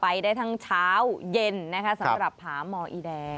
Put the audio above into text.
ไปได้ทั้งเช้าเย็นนะคะสำหรับผาหมออีแดง